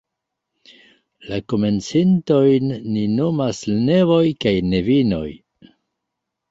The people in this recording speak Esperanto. La komencintojn ni nomas "nevoj" kaj "nevinoj".